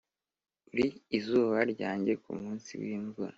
uri izuba ryanjye kumunsi wimvura.